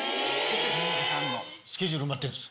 モモコさんのスケジュール埋まってるんです。